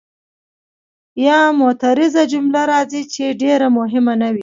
یا معترضه جمله راځي چې ډېره مهمه نه وي.